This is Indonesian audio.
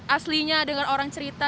aslinya dengan orang cerita